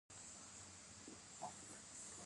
د تنزل په لور د ګټې د بیې تمایل شته